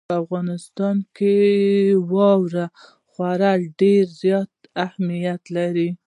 په افغانستان کې واوره خورا ډېر زیات اهمیت لري.